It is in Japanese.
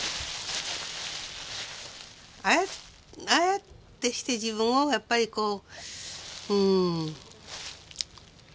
ああやってして自分をやっぱりこう。